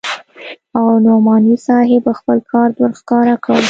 او نعماني صاحب خپل کارت ورښکاره کړ.